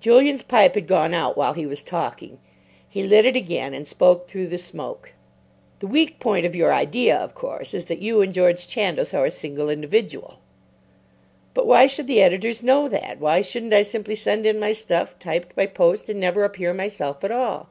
Julian's pipe had gone out while he was talking. He lit it again, and spoke through the smoke: "The weak point of your idea, of course, is that you and George Chandos are a single individual." "But why should the editors know that? Why shouldn't I simply send in my stuff, typed, by post, and never appear myself at all?"